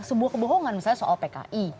sebuah kebohongan misalnya soal pki